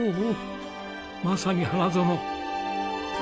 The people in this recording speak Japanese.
まさに花園。